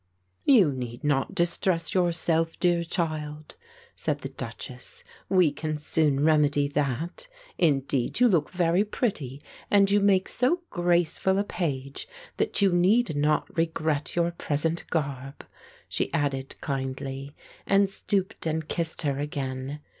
"You need not distress yourself, dear child," said the Duchess; "we can soon remedy that. Indeed you look very pretty and you make so graceful a page that you need not regret your present garb," she added kindly and stooped and kissed her again.